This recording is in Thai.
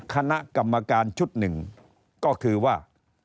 คณะกรรมการชุดหนึ่งก็คือว่า